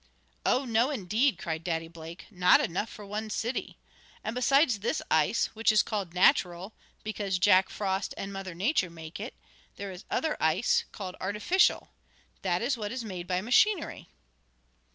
"Oh, no indeed!" cried Daddy Blake. "No enough for one city. And besides this ice, which is called natural, because Jack Frost and Mother Nature make it, there is other ice, called artificial. That is what is made by machinery."